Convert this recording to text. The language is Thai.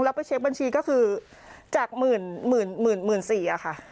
รับประเชฟบัญชีก็คือจากหมื่นหมื่นหมื่นหมื่นสี่อ่ะค่ะ